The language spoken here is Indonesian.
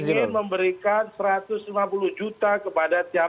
ingin memberikan satu ratus lima puluh juta kepada tiap